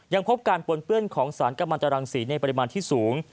ยังพบการปนเปื้อนของสารกำลังตรังสีในปริมาณที่สูง